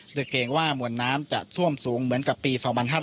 โดยเกรงว่ามวลน้ำจะท่วมสูงเหมือนกับปี๒๕๕๙